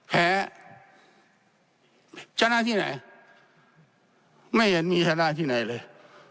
แพ้ชนะที่ไหนไม่เห็นมีชนะที่ไหนเลย